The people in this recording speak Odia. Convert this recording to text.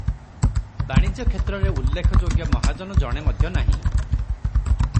ବାଣିଜ୍ୟକ୍ଷେତ୍ରରେ ଉଲ୍ଲେଖ୍ୟଯୋଗ୍ୟ ମହାଜନ ଜଣେ ମଧ୍ୟ ନାହିଁ ।